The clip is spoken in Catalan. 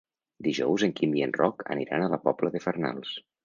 Dijous en Quim i en Roc aniran a la Pobla de Farnals.